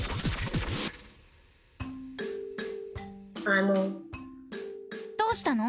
あの。